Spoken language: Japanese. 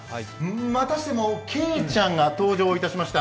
またしてもけいちゃんが登場しました。